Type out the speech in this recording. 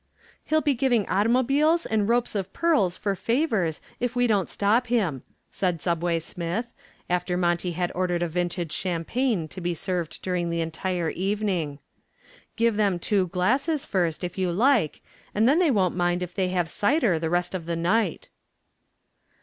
"He'll be giving automobiles and ropes of pearls for favors if we don't stop him," said "Subway" Smith, after Monty had ordered a vintage champagne to be served during the entire evening. "Give them two glasses first, if you like, and then they won't mind if they have cider the rest of the night."